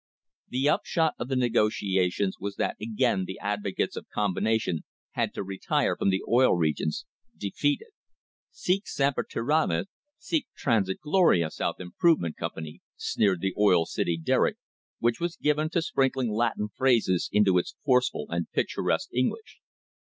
The upshot of the negotiations was that again the advocates of combination had to retire from the Oil Regions defeated. "Sic semper tyrannis, sic transit gloria South Improvement Company," sneered the Oil City Derrick, which was given to sprinkling Latin phrases into its forceful and picturesque English.